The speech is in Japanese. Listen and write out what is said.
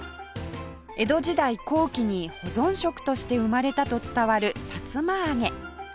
江戸時代後期に保存食として生まれたと伝わるさつま揚げ